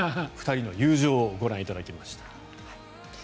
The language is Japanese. ２人の友情をご覧いただきました。